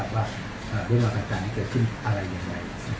ว่าเรื่องราวต่างที่เกิดขึ้นอะไรอย่างไร